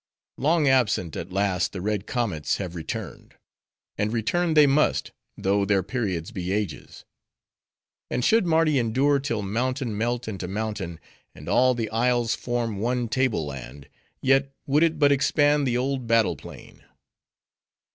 Long absent, at last the red comets have returned. And return they must, though their periods be ages. And should Mardi endure till mountain melt into mountain, and all the isles form one table land; yet, would it but expand the old battle plain.